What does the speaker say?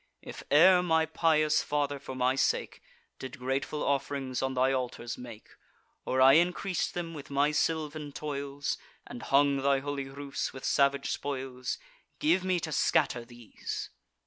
If e'er my pious father, for my sake, Did grateful off'rings on thy altars make, Or I increas'd them with my sylvan toils, And hung thy holy roofs with savage spoils, Give me to scatter these."